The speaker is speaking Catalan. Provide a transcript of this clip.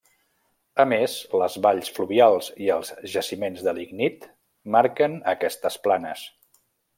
A més, les valls fluvials i els jaciments de lignit marquen aquestes planes.